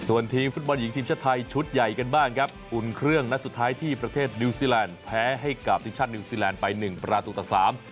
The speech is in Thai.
ส่วนทีมฟุตบอลหญิงทีมชาติไทยชุดใหญ่กันบ้างครับอุ่นเครื่องนัดสุดท้ายที่ประเทศนิวซีแลนด์แพ้ให้กับทีมชาตินิวซีแลนด์ไปหนึ่งประตูต่อสาม